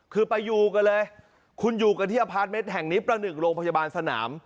คือไปอยู่กันเลยคุณอยู่กันที่อพาร์ทเมนต์แห่งนี้ประหนึ่งโรงพยาบาลสนาม